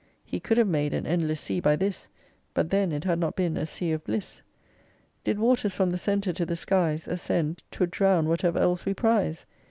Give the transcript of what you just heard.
He could have made an endless sea by this, But then it had not been a sea of bliss. Did waters from the centre to the skies Ascend, 'twould drown whatever else we prize.